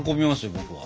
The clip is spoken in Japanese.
僕は。